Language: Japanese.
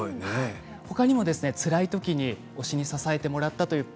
ほかにも、つらいときに推しに支えてもらったという声